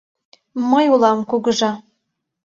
Мый улам, Кугыжа.